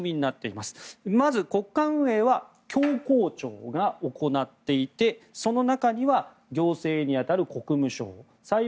まず、国家運営は教皇庁が行っていてその中には行政に当たる国務省。